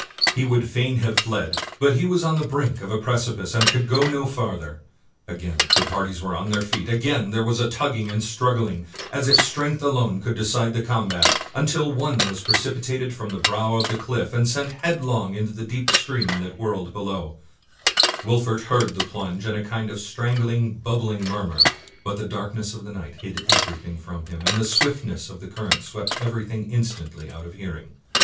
He would fain have fled, but he was on the brink of a precipice, and could go no farther. Again the parties were on their feet, again there was a tugging and struggling, as if strength alone could decide the combat, until one was precipitated from the brow of the olifif, and sent headlong into the deep stream that whirled below, Wolfert heard the plunge, and a kind of strangling, bub bling murmur, but the darkness of the night hid everything from him, and the swiftness of the current swept everything instantly out of hearing.